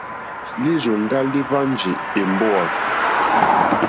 Lírzòŋgá líhwánjì èmbówà.